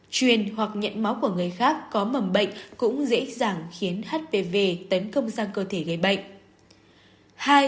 truyền hoặc nhận máu của người khác có mầm bệnh cũng dễ dàng khiến hpv tấn công sang cơ thể gây bệnh